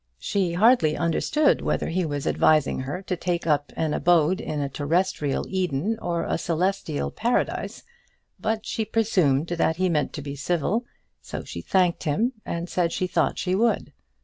She hardly understood whether he was advising her to take up an abode in a terrestrial Eden or a celestial Paradise; but she presumed that he meant to be civil, so she thanked him and said she thought she would.